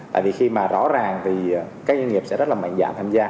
tại vì khi mà rõ ràng thì các doanh nghiệp sẽ rất là mạnh dạng tham gia